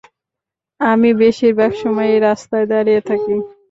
আমি বেশিরভাগ সময়ই রাস্তায় দাঁড়িয়ে থাকি।